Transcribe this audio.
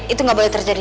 itu gak boleh terjadi